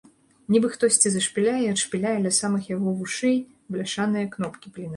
Нібы хтосьці зашпіляе і адшпіляе ля самых яго вушэй бляшаныя кнопкі.